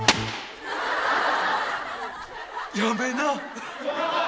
やめな。